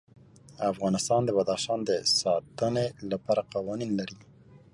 افغانستان د بدخشان د ساتنې لپاره قوانین لري.